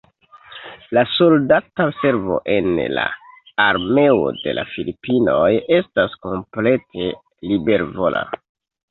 La soldata servo en la Armeo de la Filipinoj estas komplete libervola.